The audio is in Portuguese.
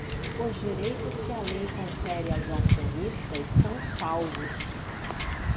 Os direitos que a lei confere aos acionistas são salvos.